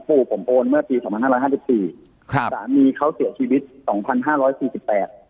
ปู่ผมโอนเมื่อปีสองพันห้าร้อยห้าสิบสี่ครับสามีเขาเสียชีวิตสองพันห้าร้อยสี่สิบแปด